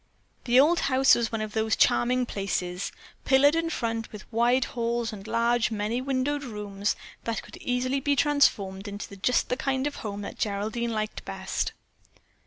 The old house was one of those charming places, pillared in front, with wide halls and large, many windowed rooms that could easily be transformed into just the kind of a home that Geraldine liked best.